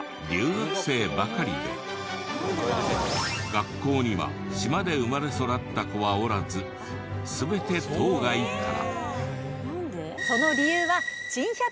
学校には島で生まれ育った子はおらず全て島外から。